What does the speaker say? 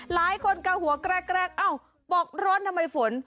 หลายคนกะหัวแกรกอ้าวบอกร้อนทำไมฝน